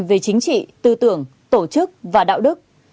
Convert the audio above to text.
về chính trị tư tưởng tổ chức và đạo đức